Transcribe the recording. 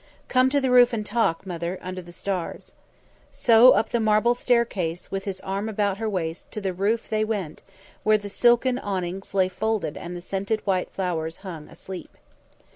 "Come to the roof and talk, Mother, under the stars." So up the marble staircase, with his arm about her waist, to the roof they went, where the silken awnings lay folded and the scented white flowers hung asleep.